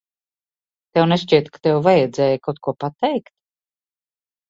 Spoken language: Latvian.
Tev nešķiet, ka tev vajadzēja kaut ko pateikt?